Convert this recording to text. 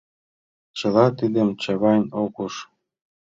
Чыла тидым Чавайн ок уж.